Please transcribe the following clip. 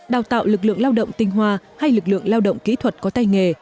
đào tạo lực lượng lao động tinh hoa hay lực lượng lao động kỹ thuật có tay nghề